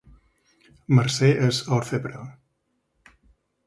Mercè és orfebre